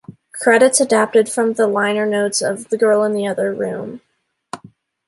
Credits adapted from the liner notes of "The Girl in the Other Room".